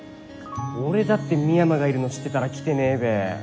俺だって美山がいるの知ってたら来てねえべ。